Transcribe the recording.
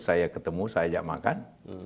saya ketemu saya ajak makan